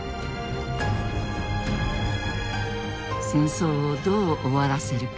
戦争をどう終わらせるか。